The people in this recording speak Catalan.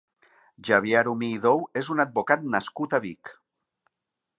Xavier Arumí i Dou és un advocat nascut a Vic.